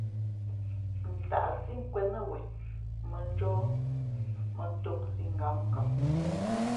Ntaʼsí nkwēn nά wen mᾱnjóh mᾱntōmsī ngǎmngam.